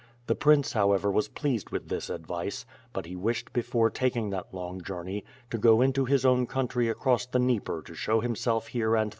The prince however was pleased with this advice, but he wished before taking that long journey, to go into his own country across the Dnieper to show himself here and WITH FIRE AND SWORD.